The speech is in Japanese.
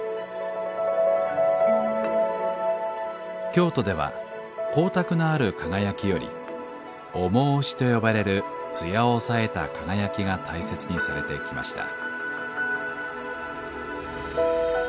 京都では光沢のある輝きより「重押し」と呼ばれる艶を抑えた輝きが大切にされてきました